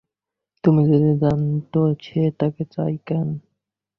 তুমি যদি জানতো সে তাকে চায় কেন?